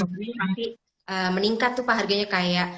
berarti meningkat tuh pak harganya kayak